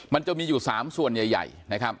มันจะมีอยู่๓ส่วนใหญ่นะครับ